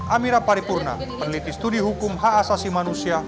amira paripurna peneliti studi hukum ha sasi manusia